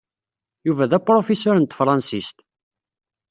Yuba d apṛufiṣur n tefransist.